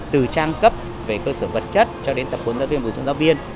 từ trang cấp về cơ sở vật chất cho đến tập huấn giáo viên vận chuyển giáo viên